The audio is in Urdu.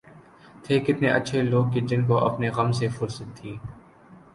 تھے کتنے اچھے لوگ کہ جن کو اپنے غم سے فرصت تھی